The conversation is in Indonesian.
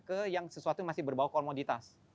ke yang sesuatu yang masih berbau komoditas